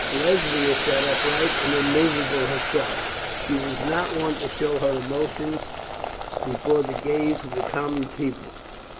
Lesbia sat upright and immovable herself. She was not one to show her emotion before the gaze of the common people.